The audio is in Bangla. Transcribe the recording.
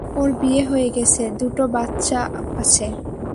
ওর বিয়ে হয়ে গেছে, দুটো বাচ্চাও আছে।